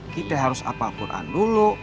kita harus al quran dulu